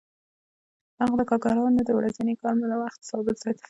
هغه د کارګرانو د ورځني کار وخت ثابت ساتي